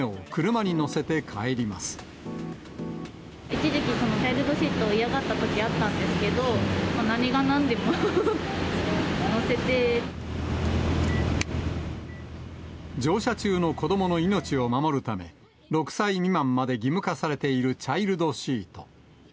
一時期、チャイルドシートを嫌がったときあったんですけど、もう何がなん乗車中の子どもの命を守るため、６歳未満まで義務化されているチャイルドシート。